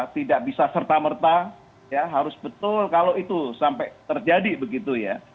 tidak bisa serta merta ya harus betul kalau itu sampai terjadi begitu ya